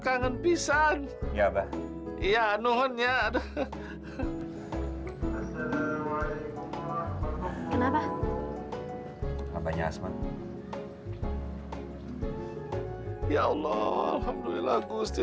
dengan pisan iya iya nohonya kenapa kenapa nyasman ya allah alhamdulillah kusti